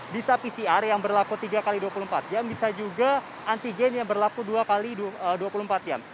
bisa pcr yang berlaku tiga x dua puluh empat jam bisa juga antigen yang berlaku dua x dua puluh empat jam